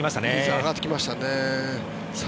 上がってきましたね。